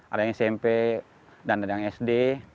ada yang smp dan ada yang sd